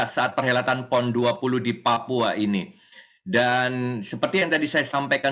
selamat siang mas